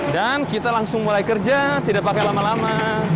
dan kita langsung mulai kerja tidak pakai lama lama